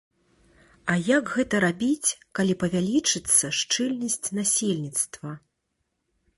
А як гэта рабіць, калі павялічыцца шчыльнасць насельніцтва?